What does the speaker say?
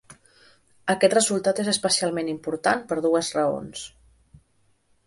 Aquest resultat és especialment important per dues raons.